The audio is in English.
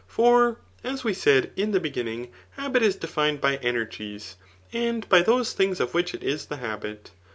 For, as we said in the be ginning, habit is defined by energies, and by those things of which it is the habit.